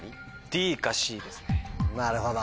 なるほど。